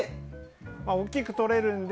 大きく撮れるので。